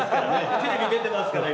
テレビ出てますから今。